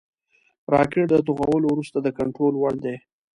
راکټ د توغولو وروسته د کنټرول وړ دی